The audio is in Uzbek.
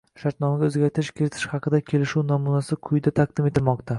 Shartnomaga o‘zgartirish kiritish haqidagi kelishuv namunasi quyida taqdim etilmoqda